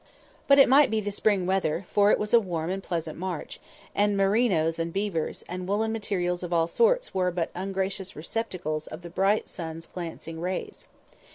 But it might be the spring weather, for it was a warm and pleasant March; and merinoes and beavers, and woollen materials of all sorts were but ungracious receptacles of the bright sun's glancing rays.